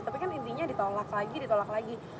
tapi kan intinya ditolak lagi ditolak lagi